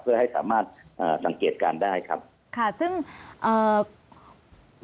เพื่อให้สามารถเอ่อสังเกตการณ์ได้ครับค่ะซึ่งเอ่อ